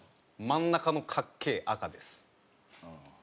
「真ん中のかっけえ赤」です。